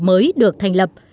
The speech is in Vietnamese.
mới được thành lập